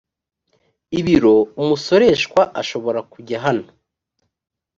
ibiro umusoreshwa ashobora kujya hano